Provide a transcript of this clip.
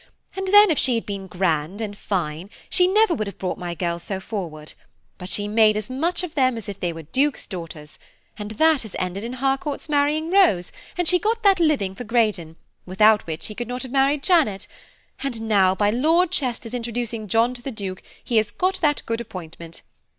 And then if she had been grand and fine, she never would have brought my girls so forward; but she made as much of them as if they were Duke's daughters, and that has ended in Harcourt's marrying Rose; and she got that living for Greydon, without which he could not have married Janet; and now by Lord Chester's introducing John to the Duke, he has got that good appointment.